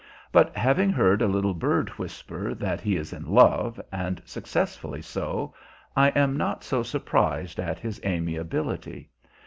But having heard a little bird whisper that he is in love, and successfully so, I am not so surprised at his amiability.